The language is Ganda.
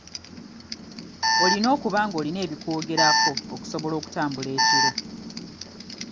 Olina okuba nga olina ebikwogerako okusobola okutambula ekiro.